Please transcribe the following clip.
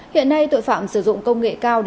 hiện nay tội phạm sử dụng công nghệ cao